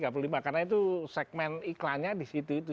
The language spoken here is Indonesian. karena itu segmen iklannya di situ